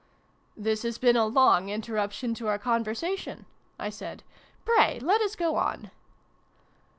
" "This has been a long interruption to our conversation," I said. " Pray let us go on